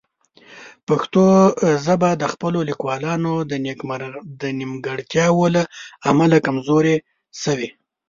پښتو ژبه د خپلو لیکوالانو د نیمګړتیاوو له امله کمزورې شوې.